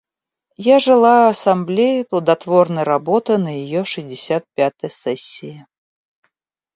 Я желаю Ассамблее плодотворной работы на ее шестьдесят пятой сессии.